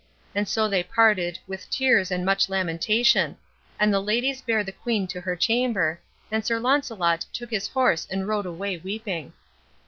And so they parted, with tears and much lamentation; and the ladies bare the queen to her chamber, and Sir Launcelot took his horse and rode away, weeping.